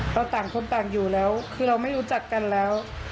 ต่างคนต่างอยู่แล้วคือเราไม่รู้จักกันแล้ว